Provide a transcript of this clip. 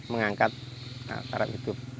mengangkat para hidup